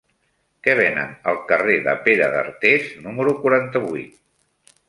Què venen al carrer de Pere d'Artés número quaranta-vuit?